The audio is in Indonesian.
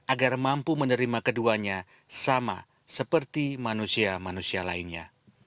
agar mampu menerima keduanya sama seperti manusia manusia lainnya